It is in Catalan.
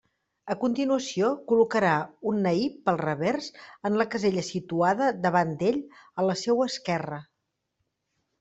A continuació col·locarà un naip pel revers en la casella situada davant d'ell a la seua esquerra.